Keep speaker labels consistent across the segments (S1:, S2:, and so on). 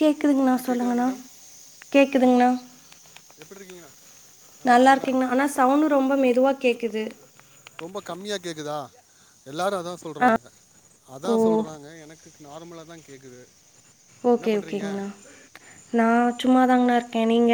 S1: கேக்குதுங்ணா
S2: ஆ கேட்குதா
S1: சொல்லுங்கண்ணா கேக்குதுங்ணா
S2: எப்பிடி இருக்கீங்க நல்லா இருக்கீங்ளா
S1: அண்ணா அண்ணா சவுண்டு ரொம்ப மெதுவா கேக்குது
S2: ரொம்ப கம்மியா கேட்குதா எல்லாரும் அதான்
S1: ஆ
S2: சொல்றாங்க இப்ப
S1: ஓ
S2: அதான் சொல்றாங்க எனக்கு நார்மலா தான் கேட்குது என்ன
S1: ஓகே
S2: பண்ணுறீங்க
S1: ஓகேங்கண்ணா நான் சும்மாதாங்கண்ணா இருக்கேன் நீங்க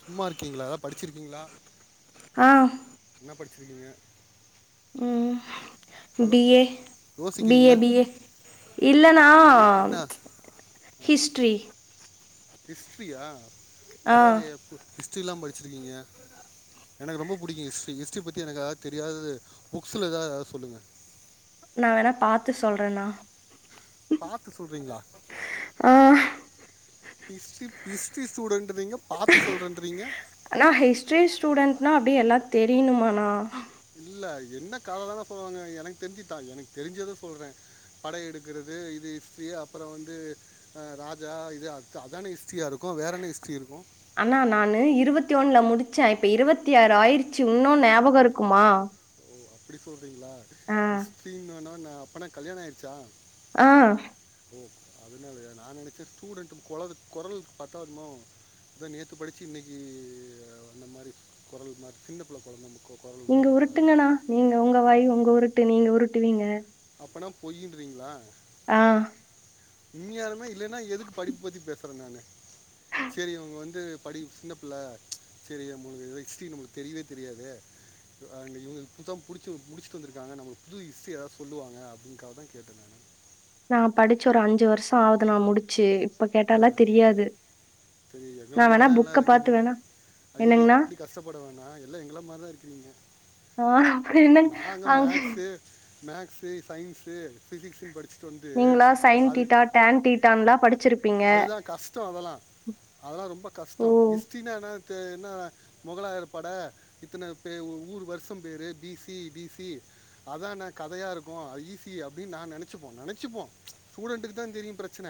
S2: சும்மா இருக்கீங்களா எதா படிச்சிருக்கீங்களா
S1: ஆ
S2: என்ன படிச்சி இருக்கீங்க
S1: ம் B A B A B A இல்லன்னா
S2: பிஏ என்ன
S1: ஹிஸ்ட்ரி
S2: ஹிஸ்ட்ரியா
S1: ஆ
S2: பரவாயில்லையே ஹிஸ்ட்ரியிலாம் படிச்சிருக்கீங்க எனக்கு ரொம்ப புடிக்கும் ஹிஸ்ட்ரி ஹிஸ்ட்ரி பற்றி எனக்கு அதாவது தெரியாதது புக்ஸில் எதாவது சொல்லுங்க
S1: நான் வேணா பாத்து சொல்றேன்னா
S2: பார்த்து சொல்றீங்களா
S1: ஆ
S2: ஹிஸ்ட்ரி ஹிஸ்ட்ரி ஸ்டூடெண்டட் இன்றீங்க பாத்து சொல்றேன்றீங்க
S1: ஆண்ணா ஹிஸ்ட்ரி ஸ்டூடெண்டட்னா அப்டே எல்லாம் தெரியனுமாண்ணா
S2: இல்ல என்ன கதலாதான் சொல்லுவாங்க எனக்கு தெரிஞ்சு தான் எனக்கு தெரிஞ்சதான் சொல்றேன் படை எடுக்கிறது இது ஹிஸ்ட்ரி அப்பறம் வந்து ஆ ராஜா இது அது அதானே ஹிஸ்ட்ரியியா இருக்கும் வேற என்ன ஹிஸ்ட்ரி இருக்கும்
S1: ஆண்ணி நானு இருபத்தி ஒண்ணுல முடிச்சேன் இப்ப இருபத்தி ஆறு ஆயிருச்சு இன்னும் ஞாபகம் இருக்குமா
S2: ஓ அப்டி சொல்றீங்களா
S1: ஆ,
S2: ஹிஸ்டரினுன்னா நான் அப்பனா கல்யாணம் ஆயிடுச்சா
S1: ஆ
S2: ஓ அதனாலயா நான் நினைச்சேன் ஸ்டூடெண்ட் கொரலு கொரலுக்கு பத்தாதுமோ அதான் நேற்று படிச்சு இன்னிக்கி அந்த மாரி குரல் மாரி சின்னப்பிள்ளை கொழந்த குரல்
S1: நீங்க
S2: மாரி இருக்கு
S1: உருட்டுங்கண்ணா நீங்க உங்க வாய் உங்க உருட்டு நீங்க உருட்டுவீங்க
S2: அப்பனா பொயின்றீங்களா
S1: ஆ
S2: உண்மையாலுமே இல்லன்னா எதுக்கு படிப்பு பற்றி பேசுறேன் நானு சேரி அவங்க வந்து படி சின்ன பிள்ள செரி நம்மளுக்கு ஹிஸ்ட்ரி நம்மளுக்கு தெரியவே தெரியாதே ஆ இவங்க இப்பதா புடிச்சுட்டு முடிச்சிட்டு வந்துருக்காங்க நமக்கு புது ஹிஸ்ட்ரி ஏதாது சொல்லுவாங்க அப்டிங்காத தான் கேட்டேன் நான்
S1: நான் படிச்ச ஒரு அஞ்சு வருஷம் ஆகுது நான் முடிச்சு இப்ப கேட்டாலா தெரியாது
S2: செரி எங்கள
S1: நான் வேணா
S2: மார்தான் எல்லாம்
S1: புக்க பாத்து
S2: இருக்கீங்க
S1: வேணா
S2: ஐய்யய்ய
S1: என்னங்கண்ணா?
S2: அப்டி கஷ்டப்பட வேண்ணா எல்லாம் எங்கள மார்தான் இருக்கிறீங்க
S1: ஆ அப்புறம் என்னங்க?
S2: நாங்க
S1: அங்க
S2: மேக்ஸு மேக்ஸ்சு சயின்ஸ்சூ பிசிக்ஸ்சு படிச்சு வந்து
S1: நீங்களா சைன்
S2: அது
S1: தீட்டா, டான் தீட்டான்லாம் படிச்சிருப்பீங்க.
S2: அதுதான் கஷ்டம் அதெல்லாம் அதெல்லாம் ரொம்ப
S1: ஓ!
S2: கஷ்டம் ஹிஸ்ட்ரிநா தே என்ன முகலாயர் பட இத்தனை பே ஊரு வருஷம் பேரு பிசி பிசி அதான் நான் கதையா இருக்கும் அது ஈஸி அப்டின்னு நான் நினச்சிப்போம் நினச்சிப்போம் ஸ்டூடெண்ட்டுக்கு தான் தெரியும் பிரச்சன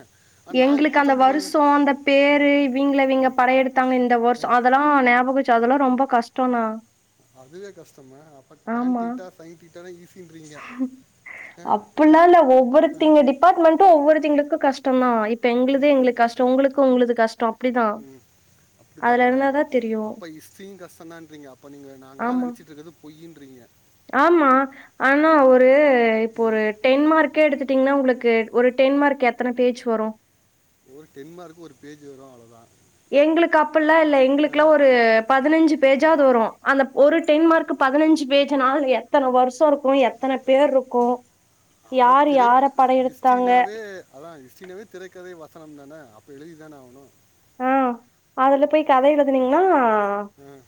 S1: எங்களுக்கு அந்த வருஷோ அந்த பேரு இவிங்கள விங்க படைய எடுத்தாங்க இந்த வருஷம் அதெல்லாம் ஞாபகச்சு அதெல்லாம் ரொம்ப கஷ்டம்னா
S2: அதுவே கஷ்டமா அப்ப டான் டீட்டா சைன் டீட்டாலா ஈசின்றீங்க
S1: அப்பல்லா இல்ல ஒவ்வொருத்தங்க டி டிபார்ட்மெண்ட்டும் ஒவ்வொருத்தங்களுக்கும் கஷ்ட்டந்தான் இப்ப எங்களுதே
S2: ம்
S1: எங்களுக்கு கஷ்டம் உங்களுக்கு உங்கள்து கஷ்டம்
S2: ம் அப்டிதானா
S1: தெரியு
S2: அப்ப ஹிஸ்ட்ரியு கஷ்டம் தான்றீங்க அப்ப நீ நாங்களாம்
S1: ஆமா
S2: நினைச்சிட்டு இருக்குறது பொய்யின்றிங்க
S1: ஆமா ஆனா ஒரு இப்போ
S2: ம்
S1: ஒரு டென் மார்கே எடுத்துட்டீங்னா உங்களுக்கு ஒரு டென் மார்க் எத்தன பேஜ் வரு
S2: ஒரு டென் மார்க் ஒரு பேஜ் வரு அவ்ளோதா
S1: எங்களுக் அப்பல்லா இல்ல எங்களுக்குலா ஒரு பதினஞ்சு பேஜாது வரு அந்த ஒரு டென் மார்க் பதினஞ்சு பேஜ்னா அதுல எத்தன வருஷ இருக்கு எத்தன பேர் இருக்கு
S2: அத
S1: யாரு
S2: திரக்
S1: யார படையெடுத்தாங்க
S2: இஸ்டினாவே அதா இஸ்டினாவே திரைகதை வசனம் தான அப்ப எழுதிதான ஆவணு
S1: ஆ அதுல போய் கத எழுதினீங்னா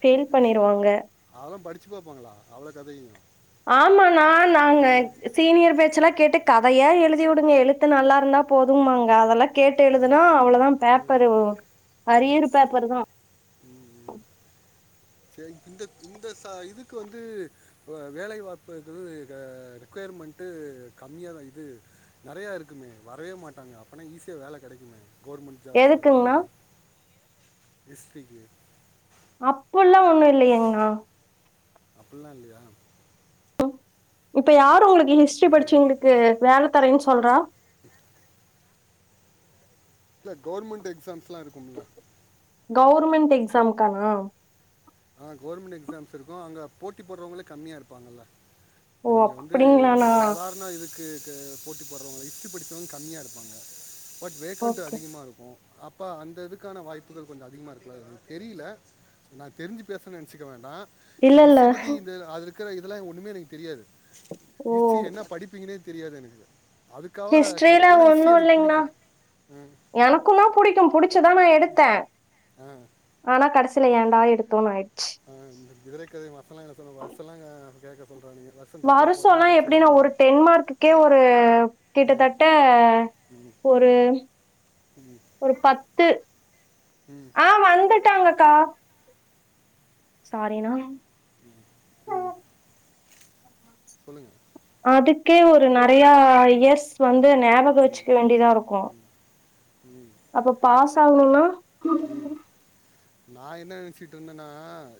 S1: ஃபெயில் பண்ணிருவாங்க
S2: அதெல்லா படிச்சு பாப்பாங்களா அவ்ள கதையு
S1: ஆமானா நாங்க ஸ் சீனியர் பேச்சுல்லா கேட்டு கதையா எலுதி விடுங்க எலுத்து நல்லா இருந்தா போதுங்மாங்க அதெல்லா கேட்டு
S2: அஹ்,
S1: எழுதுனா அவ்ளோதா பேப்பரு அரியறு பேப்பர் தா
S2: ம், ம். சரி இந்த இந்த ச இதுக்கு வந்து வேலை வாப்பும்பது ரெக்குயர்மெண்ட்டு கம்மியா தா இது நெறைய இருக்குமே வரயே மாட்டாங்க அப்பனா ஈஸியா வேல கெடைக்குமே கவர்மெண்ட் ஜாப்ஸ் அது
S1: எதுக்குங்ண்ணா
S2: அப்டினு டிஸ்ட்ரிக்கு
S1: அப்புல்லா ஒண்ணு இல்லயேங்ணா
S2: அப்புல்லா இல்லயா
S1: ம் இப்ப யாரு உங்களுக்கு ஹிஸ்ட்ரி படிச்சுவங்களுக்கு வேல தரேன் சொல்றா
S2: [unintelligible] இல்ல கவர்மெண்ட் எக்ஸாம்ஸ்லா இருக்கும்ல
S1: கவுர்மெண்ட் எக்ஸாம்கானா
S2: ஆ கவர்மெண்ட் எக்ஸாம்ஸ் இருக்கு அங்க போட்டி போடுறவங்களே கம்மியா இருப்பாங்கல்ல
S1: ஓ
S2: இப்ப நீங்க வந்து
S1: அப்டிங்களாண்ணா
S2: சாதாரண இதுக்கு க போட்டி போட்றவங்க ஹிஸ்டி படிச்சவங்க கம்மியா இருப்பாங்க பட் வேக்கண்ட்டு
S1: ஓகே
S2: அதிகமா இருக்கு அப்ப அந்த இதுக்கான வாய்ப்புகள் கொஞ்ச அதிகமா இருக்குல அத தெரியில தெரிஞ்சு பேசரன் நெனச்சிக்க வேண்டா
S1: இல்ல
S2: எனக்கு
S1: இல்ல
S2: இஸ்ஸி பத்தி இந்த அது இருக்கிற இதெல்லா ஒன்னுமே எனக்கு தெரியாது
S1: ஓ
S2: ஹிஸ்ட்ரி என்ன படிப்பீங்கனே தெரியாது எனக்கு அதுக்காக
S1: ஹிஸ்ட்ரில
S2: கேட்க ஆனால் ஹிஸ்ட்ரி
S1: ஒண்ணு
S2: எனக்கு
S1: இல்லங்ண்ணா
S2: பிடிக்கும் ம்,
S1: எனக்கு தா புடிக்கு புடிச்சுதா நா எடுத்த
S2: அ
S1: ஆனா கடைசில ஏண்டா எடுத்தோன் ஆய்ச்சு
S2: ஆ இந்த கிதிரை கதை வருசல்லா எல சொல் வருசல்லா கேக்க சொல்றானுங்க
S1: வருஷோல்லா எப்டின்னா ஒரு டென்மார்க்குக்கே ஒரு
S2: ம்,
S1: கிட்டத்தட்ட ஒரு
S2: ம்
S1: ஒரு பத்து
S2: ம்
S1: ஆ வந்துட்டாங்கக்கா சாரி னா
S2: ம் சொல்லுங்க
S1: அதுக்கே ஒரு நெறைய இயர்ஸ் வந்து நியாபக வச்சுக்க வேண்டிதா இருக்கு
S2: ம்
S1: அப்ப பாஸ் ஆவுணுனா
S2: நா என்ன நெனச்சிட்டு இருந்தன்னா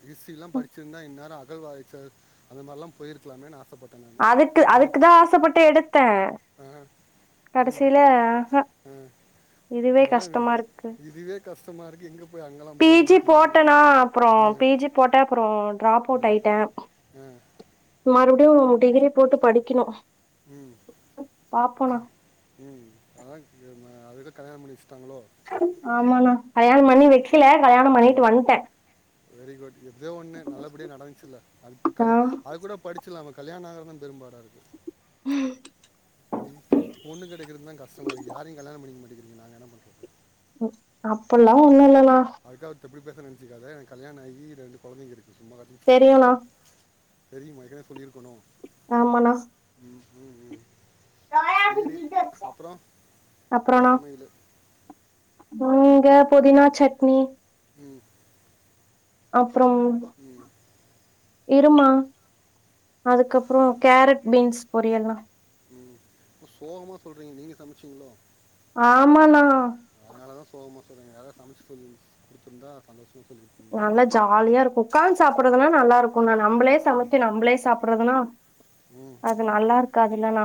S2: ஹிஸ்ட்ரில்லா படிச்சிருந்தா இந்நேரோ அகழ்வாய்ச்சர் அந்த மார்லாம் போயிருக்கலாமேனு ஆசப்பட்
S1: அதுக்கு அதுக்கு தா ஆசப்பட்டு எடுத்தேன்
S2: ஆ ம்
S1: கடசில ஆ
S2: அதெல்லா வி இதுவே கஷ்டமா இருக்கு எங்க போய் அங்கல்லா
S1: பீ ஜி போட்டனா அப்புறம் பீ ஜி ப் போட்ட அப்புறம் ட்ராப் அவுட் அயிட்டேன்
S2: ஆ
S1: மறுபடியும் டிகிரி போட்டு படிக்கணும்
S2: ம்
S1: பாப்போனா
S2: ம் அதான் அதுக்கு தான் கல்யாணம் பண்ணி வச்சுட்டாங்களோ
S1: ஆமாணா கல்யாணம் பண்ணி வெக்கல கல்யாணம் பண்ணிட்டு வந்ட்ட
S2: வெரி குட் எப்டியோ ஒண்ணு நல்லபடியா நடந்துச்சுல அதுக்கு
S1: ஆ
S2: பி அது கூட படிச்சில்லாம கல்யாண மாகுறது தா பெரும் பாடாருக்கு
S1: ம்
S2: ம் பொண்ணு கெடைக்கிறது தா கஸ்டமா இருக் யாரையும் கல்யாணம் பண்ணிக்க மாட்டேங்கிறீங்க நாங்க என்ன பண்றது
S1: அப்பல்லா ஒண்ணு இல்லன்னா
S2: அதுக்காக இப்டி பேசுறனு நெனச்சுக்காத எனக்கு கல்யாண ஆகி ரெண்டு கொழந்தைங்க இருக்கு சும்மா காட்டியு சொல்ற நானு
S1: தெரியுண்ணா
S2: தெரியுமா ஏற்கனவே சொல்லி இருக்கனோ
S1: ஆமாண்ணா
S2: ம் ம் ம் சேரி அப்புறம் என்ன
S1: அப்புறண்ணா
S2: சமயலு
S1: இங்க பொதினா சட்னி
S2: ம்
S1: அப்புறம்
S2: ம்
S1: இருமா அதுக்கப்புறம் கேரட் பீன்ஸ் பொரியல்ணா
S2: சோகமா சொல்றீங்க நீங்க சமைச்சீங்களோ
S1: ஆமாண்ணா
S2: அதனால தான் சோகமா சொல்றீங்க யாரா சமைச்சு குடுத்துருந்தா சந்தோஷமா சொல்லிருப்பிங்க
S1: நல்லா ஜாலியா இருக்கும் உக்காந்து சாப்றதுனா நல்லா இருக்கும் ணா நம்மளே சமைச்சு நம்மளே சாப்பிடறதுனா
S2: ம்
S1: அது நல்லா இருக்காதுல்லணா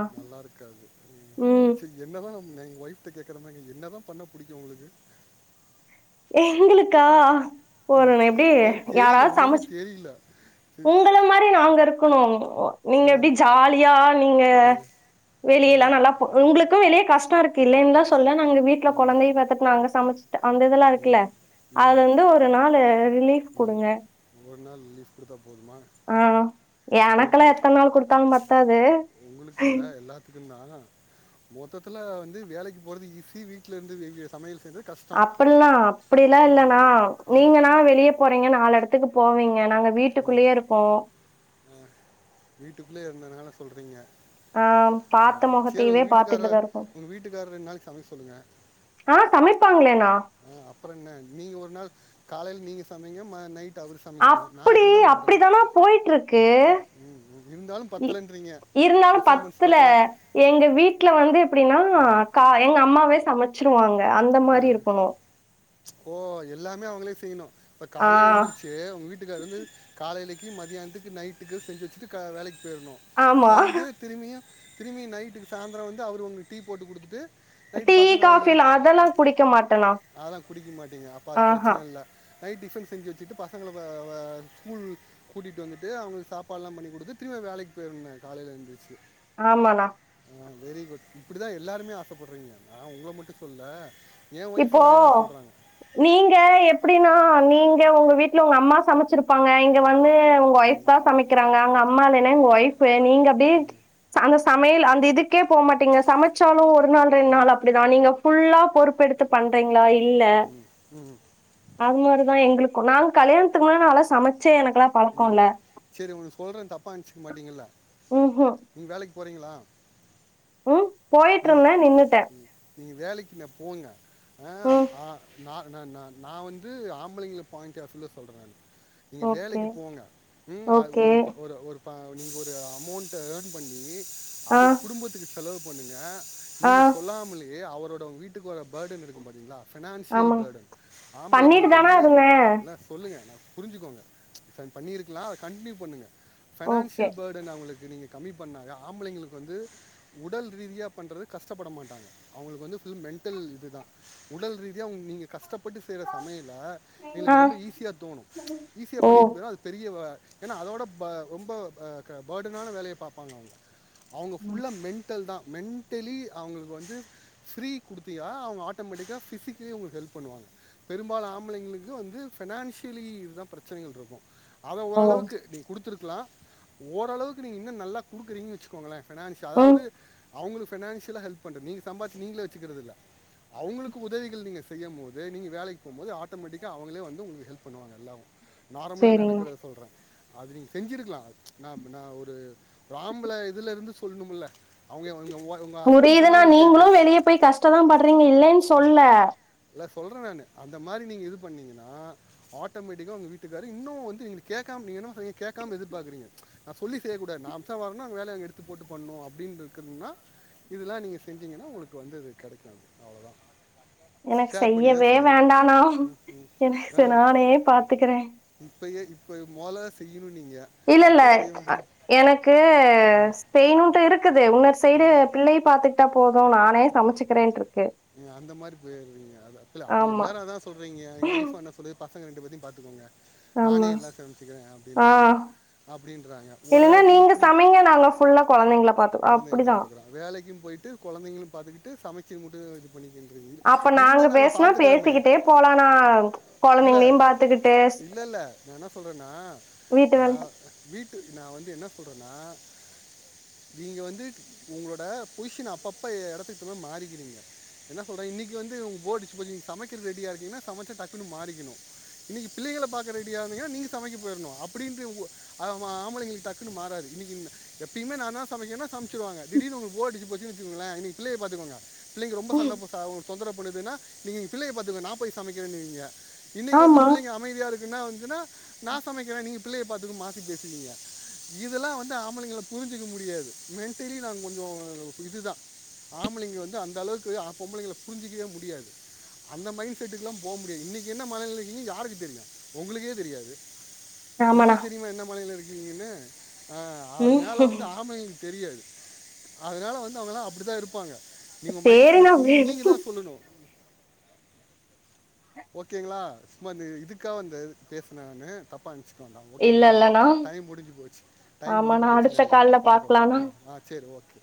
S1: ம்
S2: என்னதா எங்க ஒய்ஃப்கிட்ட கேக்குறமாறி கேக் என்னதான் பண்ண புடிக்கும் உங்களுக்கு
S1: எங்களுக்கா போற எப்படி
S2: எனக்கு தெரியல
S1: யாராவது
S2: உண்மையுமே
S1: சமைச்சு
S2: தெரியல சரி,
S1: உங்கள மாறி நாங்க இருக்கணும் நீங்க
S2: ம்
S1: எப்படி ஜாலியா நீங்க
S2: ஆ
S1: வெளியலாம் நல்லா உங்களுக்கும் வெளியே கஷ்டம் இருக்கு இல்லலைன்னுலாம் சொல்ல நாங்க வீட்டுல குழந்தைய பாத்துட்டு நாங்க சமச்சு அந்த இதெல்லாம் இருக்குல்ல
S2: ம்
S1: அதுல வந்து ஒரு நாலு ரிலீஃப்
S2: மேம்
S1: குடுங்க
S2: ஒரு நாள் ரிலீஃப் குடுத்தா போதுமா
S1: ஆ எனக்குல்லாம் எத்தன நாள் குடுத்தாலும் பத்தாது
S2: இதுனா மொத்தத்தில்ல வந்து வேலைக்கு போறது ஈசி வீட்டில இருந்து சமையல் செய்றது
S1: அப்ல்லாம் அப்படிலாம் இல்லணா
S2: ம்
S1: நீங்கன்னா வெளியே போறீங்க நாலு எடத்து த்துக்கு போவீங்க நாங்க வீட்டுக்குள்ளேயே இருப்போம்
S2: ஆ வீட்டுக்குள்ளயே இருந்தனால சொல்றீங்க
S1: ஆ
S2: ஆ
S1: பாத்த
S2: சேரி
S1: மொகத்தையவே
S2: உங்க வீட்டுக்கார
S1: பாத்துக்கிட்டுதா இருப்போ
S2: உங்க வீட்டுக்கார ரெண்டு நாளைக்கு சமைக்க சொல்லுங்க
S1: ஆ சமைப்பாங்களேண்ணா
S2: ஆ அப்புறம் என்ன நீங்க ஒரு நாள் காலைல நீங்க சமைங்க நைட் அவர் சமைக்கட்டும் நான்
S1: அப்டி
S2: அப்படி தான் பண்ணுறேன்
S1: அப்டிதாண்ணா போய்ட்டு இருக்கு
S2: ம் ம் இருந்தாலும் பத்தலைன்றீங்க
S1: இருந்தாலும்
S2: பர்ஃபார்மன்ஸ்
S1: பத்தல
S2: பத்தலை
S1: எங்க வீட்டுல வந்து எப்படின்னா கா எங்க அம்மாவே சமச்சிருவாங்க அந்த மாரி
S2: ஆ
S1: இருக்கணு
S2: ஓ எல்லாமே அவுங்ளே செய்யணு இப்ப
S1: ஆ,
S2: கால்ல எந்துருச் சு உங்க வீட்டுக்காரு வந்து காலைலக்கி மதியான்த்துக்கு நைட்டுக்கு செஞ்சு வச்சுட்டு க வேலைக்கு போயிர்னு
S1: ஆமா.
S2: வந்து திரும்பியு திரும்பியு நைட்டுக்கு சாந்தரொ வந்து அவரு உங்ளுக் டீ போட்டு குடுத்துட்டு
S1: டீ காஃபிலா அதெல்லா
S2: அதல்லா குடிக்க மாட்டீங்க அப்ப அது
S1: ஆஹா.
S2: ப்ரச்சன இல் ல நைட் டிஃபன் செஞ்சு வச்சுட்டு பசங்கள ஸ்கூல் கூட்டிட்டு வந்துட்டு அவுங்களுக் சாப்பாட்லா பண்ணி குடுத்து திரும்ப வேலக்கி போயர்னு காலைல எந்திர்ச்சு
S1: ஆமாண்ணா
S2: ஆ வெரி குட் இப்டிதா எல்லாருமே ஆசப்படுறீங்க நான உங்கள மட்டு சொல்ல என்
S1: இப்போ
S2: ஒய்ஃபும் அதே தான் சொல்கிறாங்க
S1: நீங்க எப்டினா நீங்க உங்க வீட்ல உங்க அம்மா சமச்சிருப்பாங்க இங்க வந்து ஒய்ஃப் தா சமைக்கிறாங்க அவுங்க அம்மா இல்லனா உங்க ஒய்ஃப்பு நீங்க அப்டி அந்த சமையல் அந்த இதுக் கே போ மாட்டீங்க சமச்சாலுமஒரு நாள் ரெண்டு நாள் அப்டிதா நீங்க ஃபுல்லா பொறுப்பெடுத் பண்றீங்ளா இல்ல
S2: ம்
S1: அது மாரிதா எங்ளுக்கு நாங் கல்யாணத்துக்கு முன்ன நால்லா சமச்சே எனக்குலா
S2: ம் செரி ஒன்னு சொல்றே தப்பா நென்ச்சிக்க மாட்டிங்கல
S1: ம் ம்
S2: நீங் வேலைக்கு போறீங்களா
S1: ம் போயிட்டு
S2: நீங்க
S1: இருந்தேன் நின்னுட்டேன்
S2: ம் நீங்க வேலைக்கு ந போங்க ஆ
S1: ம்
S2: ஆ நா ந ந நா வந்து ஆம்பளைங்ள பாயிண்ட் ஆஃப்ல சொல்றே நானு நீங்க
S1: ஓகே
S2: வேலைக்கு போங்க ம் அ
S1: ஓகே
S2: ஒரு ஒரு ஒரு ப நீங்க ஒரு அமௌண்ட் ட்ட எர்ன் பண்ணி
S1: ஆ
S2: அது குடும்பத்துக்கு செலவு பண்ணுங்க
S1: ஆ
S2: நீங்க சொல்லாமலேயே அவரோட உங் வீட்டுக்கு வர பர்டன் இருக்கு பாத்திங்ளா ஃபினான்ஷியல்
S1: ஆமாங்க
S2: பர்டன்
S1: பண்ணிட்டு
S2: ஆம்பளைங்களுக்கு
S1: தானா
S2: வந்து
S1: இருந்தேன்
S2: இன்ன சொல்லுங்க நா புருஞ்சுக்கோங்க பண்ணிருக்கலா கண்ட்னியூ பண்ணுங்க
S1: ஓகே
S2: ஃபெனான்சியல் பர்டன் அவுங்களுக்கு நீங்க கம்மி பண்ணாவே ஆம்பளைங்களுக்கு வந்து உடல் ரீதியா பண்றது கஷ்டப்பட மாட்டாங்க அவுங்களுக்கு வந்து ஃபுல் மென்டல் இதுதா உடல் ரீதியா அவுங் நீங்க கஷ்டப்பட்டு செய்ற சமையல
S1: ஆ
S2: எங்களுக் ரொம்ப ஈஸியா தோணு ஈஸியா
S1: ஓ
S2: பண்ணிட்டு போயிரோ பெரியவ ஏன்னா அதோட ரொம்ப பர்டனான வேலைய பாப்பாங்க அவுங்க அவுங்க
S1: ம்,
S2: ஃபுல்லா மென்டல் தா மென்டலி அவுங்களுக்கு வந்து ஃப்ரீ குடுத்தியா அவுங்க ஆட்டோமேட்டிக்கா ஃபிசிக்கலி உங்களுக்கு ஹெல்ப் பண்ணுவாங்க பெரும்பாலு ஆம்பளைங்களுக்கு வந்து ஃபெனான்ஷியலி இது தா ப்ரச்சனைகள் இருக்கு அத
S1: ஓ
S2: ஓரளவுக்கு நீங்க குடுத்துருக்லா ஓரளவுக்கு நீங்க இன்ன நல்லா குடுக்குறீங்க வச்சு க்கோங்களே ஃபெனான்சி
S1: ம்
S2: அதாவது அவுங்களுக் ஃபெனான்சியலா ஹெல்ப் பண்றது நீங்க சம்பாறிச்சு நீங்களே வச்சுக்கிறது இல்ல அவுங்களுக்கு உதவிகள் நீங்க செய்யம் போது நீங்க வேலைக்கு போகும்போது ஆட்டோமேட்டிக்கா அவுங்களே வந்து உங்களுக் ஹெல்ப் பண்ணுவாங்க எல்லாவு நார்மலா
S1: சரிங்க
S2: நடக்றத சொல்றே அது நீங்க செஞ்சிருகலா நா நா ஒரு ஆம்ப்ல இதுலர்ந்து சொல்ணும்ல அவுங்க அவுங்க
S1: புரியுதுணா நீங்ளு வெளிய போய் கஷ்ட தா படுறீங்க இல்லன்னு சொல்ல
S2: இல்ல சொல்றே நானு அந்த மாரி நீங்க இது பண்ணீங்கன்னா ஆட்டோமேட்டிக்கா உங்க வீட்டுக்காரு இன்னொ வந்து [unintelligible] கேக்காம நீங்க என்ன சொன்னிங்க கேக்காம எதிர்பாக்குறீங்க நா சொல்லி செய்ய கூடா து நாங்தா வர்னு அங்க வேல அவ்ங் எடுத்து போட்டு பண்ணு அப்டின்னு இருக்கனும்னா இதுல்லா நீங்க செஞ்சிங்கன்னா உங்களுக்கு வந்து இது கெடைக்கும் அவ்ளோதா
S1: எனக்கு செய்யவே வேண்டாண்ணா
S2: ம்.
S1: எனக்கு நானே பாத்துக்கறே
S2: இப்பையே இப்ப மொதல்ல செய்யணுனீங்க
S1: இல்ல இல்ல அ எனக்கு செய்ணுன்டு இருக் க்குது உன்னொரு சைடு பிள்ளைய பாத்துக்ட்டா போது நானே சமச்சுக்கிறேன்ட்ருக்கு
S2: நீங்க அந்த மாரி போயிற்றீங்க அது இல்ல அது
S1: ஆமா
S2: எல்லாரு அதா சொல்றீங்க எங்க ஒயிஃபு ஆன சொல்லி பசங்க ரெண்டு பேத்தியு பாத்துக்கோங்க நானே
S1: ஆமா
S2: எல்லா சம்ச்சுக்கறே
S1: ஆ
S2: அப்டின்ட்ருவாங்க அப்படின்றாங்க
S1: இல்லன்னா
S2: ஒருக்காலத்துல
S1: நீங்க
S2: இப்டி
S1: சமைங்க நாங்க ஃபுல்லா கொழந்தைங்கள பாத்து
S2: கொழந்தைய
S1: அப்டிதா
S2: பாத்துக்கலா வேலைக்கு போய்ட்டு கொழந்திங்களும் பாத்துகிட்டு சமச்சு முடி [unintelligible] பண்ணிக்கின்றீங்க
S1: அப்ப
S2: இருந்தா நாங்க
S1: பேசுனா
S2: பாத்துக்கறமே
S1: பேசிக்கிட்டே போலா நா
S2: இல்ல
S1: கொழந்தைங்களையு பாத்துக்கிட்டு ஸ்-
S2: இல்லல்ல நா என்ன சொல்றேன்னா
S1: வீட்டு
S2: நா
S1: வேல
S2: வீட்டு நா வந்து என்ன சொல்றேனா நீங்க வந்து உங்களோட பொய்ஷன் அப்பப்ப எடத்துக் தகுந்மாறி மாறிக்கிறீங்க என்ன சொல்றே இன்னைக்கு வந்து உங்க போரடிச்சு போச்சு நீங் சமைக்கிறது ரெடியா இருக்கீங்ன்னா சமச்சி டக்குன்னு மாறிக்கிணு இன்னைக்கு பிள்ளைங்கள பாக்க ரெடியானீங்ன்னா நீங்க சமைக்க போயிர்னு அப்படினு உங்க ஆமா ஆம்பளைங்களுக் டக்குனு மாறாது இன்னிக்கினில்ல எப்பியுமே நா தா சமைக்கணு சம்ச்சுருவாங்க திடீர்னு உங்களுக் போர் அடிச்சு போச்சுனு வெச்சுகோங்களே இன்னிக்கு பிள்ளைய பாத்துக்கோங்க பிள்ளைங்க ரொம்ப சண்ட போட்டாவோ உங் தொந்தரவு பண்ணுதுனா நீ பிள்ளைய பாத்துக்கோ நா போயி சமைக்கிறேனுவீங்க இன்னைக்கு வந்து
S1: ஆமா
S2: பிள்ளைங்க அமைதியா இருக்குன்னா வந்துனா நா சமைக்கிறே நீங்க பிள்ளைய பாத்துக்க மாத்தி பேசுவீங்க இதெல்லா வந்து ஆம்பளைங்கள புரிஞ்சுக்க முடியாது மென்டலி நாங் கொஞ்சொ இதுதா ஆம்பளைங்க வந்து அந்தளவுக்கு அ பொம்பளைங்கள புரிஞ்சுக்கிவே முடியாது அந்த மைண்ட் செட்டுக்குல்லா போ முடியாது இன்னைக்கு என்ன மனநிலை இக்கிங்கன் யாருக்கு தெரியு உங்களுக்கே தெரியாது
S1: ஆமாண்ணா
S2: உங்களுக்கு தெரியுமா என்ன மனநிலை இருக்கீங்கன்னு அ
S1: ம்
S2: அதுனால வந்து ஆம்பளைங்களுக் தெரியாது அதனால வந்து அவுங்களா அப்படித்தா இருப்பாங்க நீங்க மைண்ட் செட்ட
S1: சேரிண்ணா
S2: புரிஞ்சு நீங்கதா சொல்லணு ஓகேங்களா சும்மா இந்த இதுக்காக வந்து பேசுன நானு தப்பா நெனச் க வேண்டா
S1: இல்ல
S2: ஓகேங்களா
S1: இல்லண்ணா
S2: டைம் முடிஞ்சு போச்சு டைம் முடிஞ்சு
S1: ஆமாண்ணா
S2: போச்சுன்
S1: அடுத்த
S2: நெனைக்கிறே
S1: கால்ல
S2: பாக்கலா
S1: பாக்கலாண்ணா
S2: ஆ ஆ செரி ஓகே